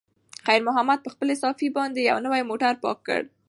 خیر محمد په خپلې صافې باندې یو نوی موټر پاک کړ.